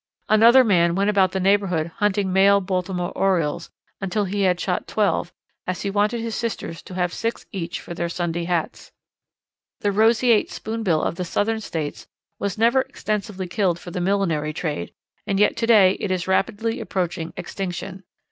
Another man went about the neighbourhood hunting male Baltimore Orioles until he had shot twelve, as he wanted his sisters to have six each for their Sunday hats. The Roseate Spoonbill of the Southern States was never extensively killed for the millinery trade, and yet to day it is rapidly approaching extinction.